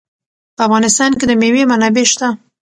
په افغانستان کې د مېوې منابع شته.